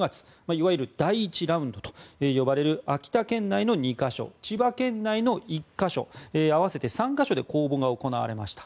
いわゆる第１ラウンドと呼ばれる秋田県内の２か所千葉県内の１か所合わせて３か所で公募が行われました。